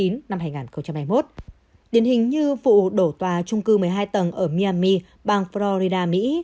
năm hai nghìn hai mươi một điển hình như vụ đổ tòa trung cư một mươi hai tầng ở miami bang florida mỹ